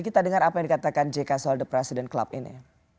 kita dengar apa yang dikatakan jk soal the president club ini